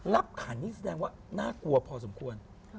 ขันนี่แสดงว่าน่ากลัวพอสมควร